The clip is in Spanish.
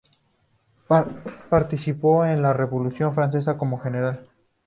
Participó en la Revolución francesa como General.